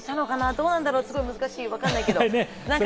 どうなんだろう、難しい、わからないけど。